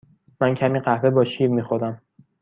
من کمی قهوه با شیر می خورم.